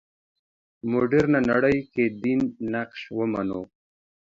مډرنه نړۍ کې دین نقش ومنو.